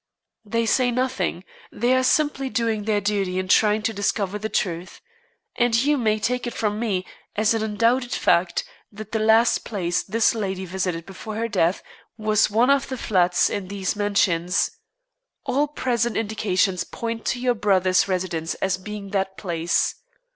"They say nothing. They are simply doing their duty in trying to discover the truth. And you may take it from me, as an undoubted fact, that the last place this lady visited before her death was one of the flats in these mansions. All present indications point to your brother's residence as being that place.